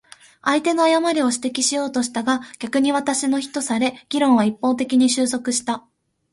相手の誤りを指摘しようとしたが、逆に私の非とされ、議論は一方的に収束した。